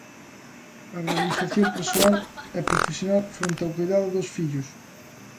A realización persoal e profesional fronte ao coidado dos fillos.